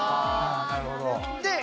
なるほど。